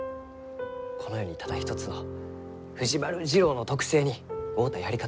この世にただ一つの藤丸次郎の特性に合うたやり方を。